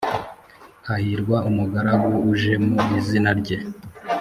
hahirwa umugaragu uje mu izina ryawe